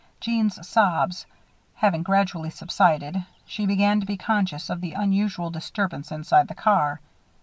Jeanne's sobs, having gradually subsided, she began to be conscious of the unusual disturbance inside the car.